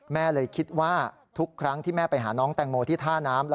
แม่เลยคิดว่าทุกครั้งที่แม่ไปหาน้องแตงโมที่ท่าน้ำ